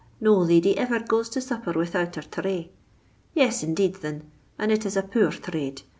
No lady iver goes to supper widout her therray.' Yes, indeed, thin, and it is a poor therrade.